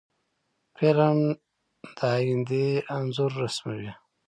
فلم د آینده انځور رسموي